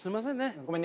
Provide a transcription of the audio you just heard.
ごめんね。